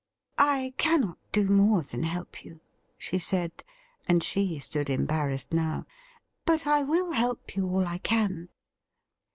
'I cannot do more than help you,' she said, and she stood embarrassed now ;' but I will help you all I can.'